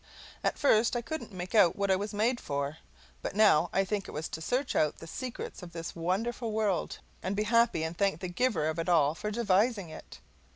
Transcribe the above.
At first I couldn't make out what I was made for, but now I think it was to search out the secrets of this wonderful world and be happy and thank the Giver of it all for devising it.